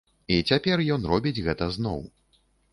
І цяпер ён робіць гэта зноў.